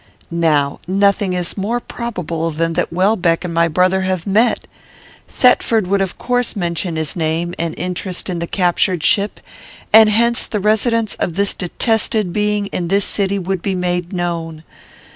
"'Now, nothing is more probable than that Welbeck and my brother have met. Thetford would of course mention his name and interest in the captured ship, and hence the residence of this detested being in this city would be made known.